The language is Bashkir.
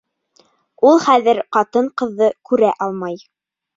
Ул хәҙер ҡатын-ҡыҙҙы күрә алмай.